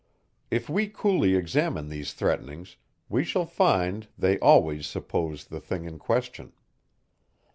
If we coolly examine these threatenings, we shall find, they always suppose the thing in question.